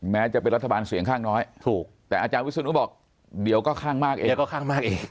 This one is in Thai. แม้จะเป็นรัฐบาลเสียงข้างน้อยแต่อาจารย์วิสุนุก็บอกเดี๋ยวก็ข้างมากเอง